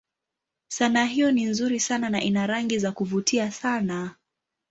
Sanaa hiyo ni nzuri sana na ina rangi za kuvutia sana.